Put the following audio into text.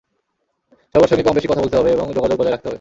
সবার সঙ্গে কম-বেশি কথা বলতে হবে এবং যোগাযোগ বজায় রাখতে হবে।